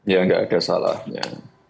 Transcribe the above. ya nggak ada salahnya